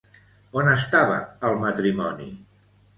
On estava el matrimoni?